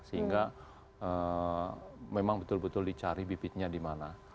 sehingga memang betul betul dicari bibitnya di mana